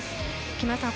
木村さん